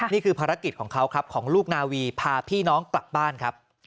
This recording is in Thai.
นี่คือภารกิจของเขาครับของลูกนาวีพาพี่น้องกลับบ้านครับ